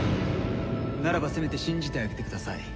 ならばせめて信じてあげてください。